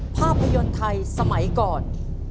ภาพยนตร์ไทยสมัยก่อน